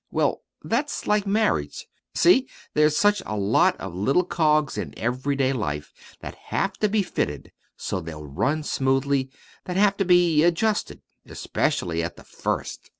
Well, that's like marriage. See? There's such a lot of little cogs in everyday life that have to be fitted so they'll run smoothly that have to be adjusted, 'specially at the first."